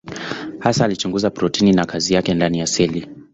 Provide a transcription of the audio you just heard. Hasa alichunguza protini na kazi yake ndani ya seli.